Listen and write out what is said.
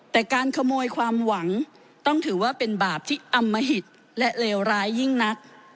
แต่การขโมยความหวังต้องถือว่าเป็นบาปที่อำมหิตและเลวร้ายยิ่งนัก